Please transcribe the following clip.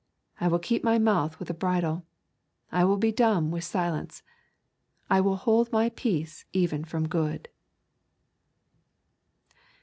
I will keep my mouth with a bridle. I will be dumb with silence. I will hold my peace even from good.'